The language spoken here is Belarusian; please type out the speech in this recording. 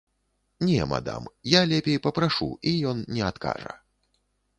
Не, мадам, я лепей папрашу, і ён не адкажа.